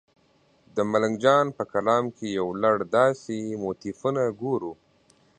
د ملنګ جان په کلام کې یو لړ داسې موتیفونه ګورو.